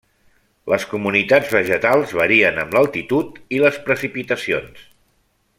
Les comunitats vegetals varien amb l'altitud i les precipitacions.